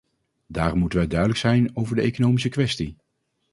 Daarom moeten wij duidelijk zijn over de economische kwestie.